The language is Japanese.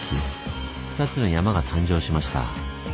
２つの山が誕生しました。